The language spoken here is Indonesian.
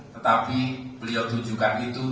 tetapi beliau tunjukkan itu